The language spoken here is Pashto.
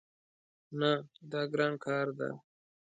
نه، دا ګران کار ده